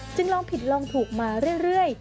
ลองผิดลองถูกมาเรื่อย